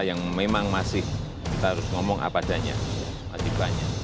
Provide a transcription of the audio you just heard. yang memang masih kita harus ngomong apa adanya